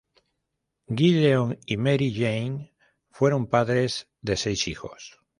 Gideon y Mary Jane fueron padres de seis hijos.